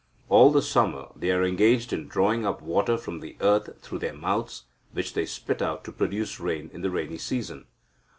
All the summer they are engaged in drawing up water from the earth through their mouths, which they spit out to produce rain in the rainy season.